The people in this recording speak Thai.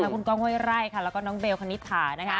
คุณกองโฮยไร่และน้องเบลคณิตถ่า